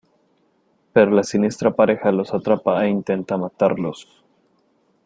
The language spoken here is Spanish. Pero la siniestra pareja los atrapa e intenta matarlos.